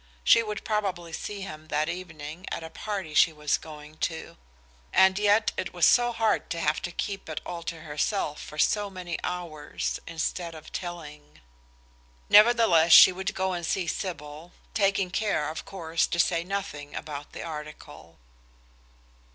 She would probably see him that evening at a party she was going to; and yet it was so hard to have to keep it all to herself for so many hours, instead of telling. Nevertheless she would go and see Sybil, taking care, of course, to say nothing about the article.